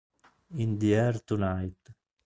In the Air Tonight